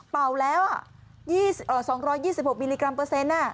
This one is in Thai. เป่าแล้ว๒๒๖มิลลิกรัมเปอร์เซ็นต์